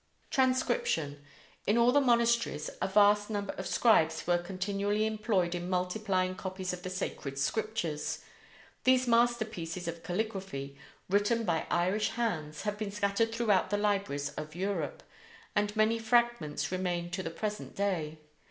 TRANSCRIPTION: In all the monasteries a vast number of scribes were continually employed in multiplying copies of the Sacred Scriptures. These masterpieces of calligraphy, written by Irish hands, have been scattered throughout the libraries of Europe, and many fragments remain to the present day.